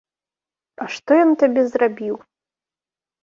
А што ён табе зрабіў?